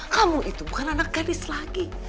kamu itu bukan anak gadis lagi